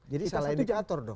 jadi salah indikator dong